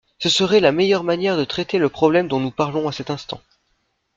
Ce serait la meilleure manière de traiter le problème dont nous parlons à cet instant.